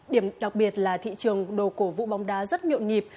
điểm đặc biệt là thị trường đồ cổ vụ bóng đá rất miệu nhịp